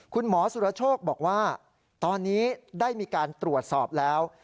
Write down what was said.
คุณหมอสุรโชคบอกว่าตอนนี้ได้มีการตรวจสอบแล้ว